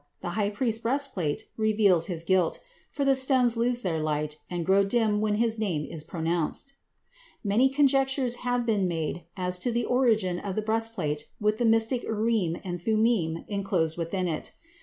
The high priest's breastplate reveals his guilt, for the stones lose their light and grow dim when his name is pronounced. Many conjectures have been made as to the origin of the breastplate with the mystic Urim and Thummim enclosed within it.